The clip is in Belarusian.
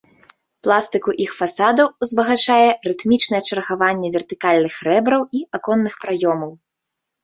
Пластыку іх фасадаў узбагачае рытмічнае чаргаванне вертыкальных рэбраў і аконных праёмаў.